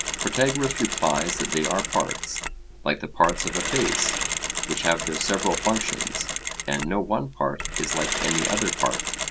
Protagoras replies that they are parts, like the parts of a face, which have their several functions, and no one part is like any other part.